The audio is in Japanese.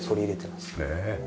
ねえ。